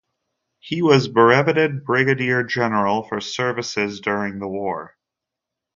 He was brevetted brigadier general for services during the war.